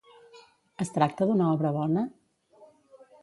Es tracta d'una obra bona?